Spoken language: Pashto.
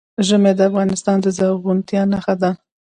ژمی د افغانستان د زرغونتیا نښه ده.